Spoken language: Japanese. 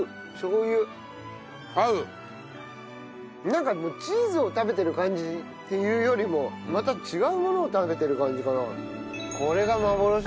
なんかチーズを食べてる感じっていうよりもまた違うものを食べてる感じかな。